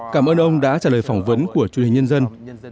cảm ơn ông đã trả lời phỏng vấn của truyền hình nhân dân